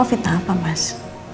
oh fitnah apa mas